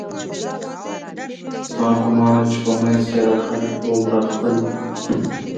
زما ګومان و چې په منځ کې یې دا خلک ټول راخپل دي